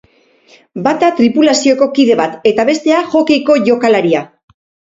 Bata tripulazioko kide bat eta bestea hockeyko jokalaria.